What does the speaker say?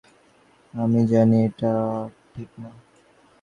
আমি জানি এটা ঠিক না।